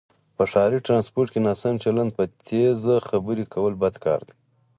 په ښاری ټرانسپورټ کې ناسم چلند، په تیزه خبرې کول بد کاردی